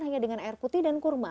hanya dengan air putih dan kurma